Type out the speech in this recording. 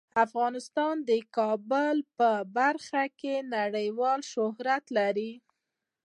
افغانستان د کابل په برخه کې ډیر نړیوال شهرت لري.